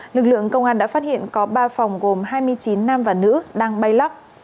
lực lượng công an đã phát hiện có ba phòng gồm hai mươi chín nam và nữ đang bay lắc